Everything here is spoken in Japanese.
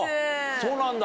そうなんだ。